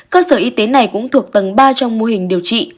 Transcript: cơ sở y tế này cũng thuộc tầng ba trong mô hình điều trị